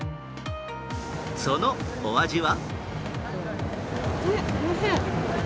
そのお味は？